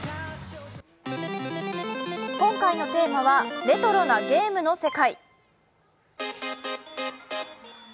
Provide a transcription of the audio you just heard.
今回のテーマは「レトロなゲームの世界」。